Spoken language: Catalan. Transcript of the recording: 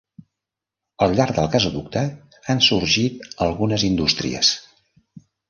Al llarg del gasoducte han sorgit algunes indústries.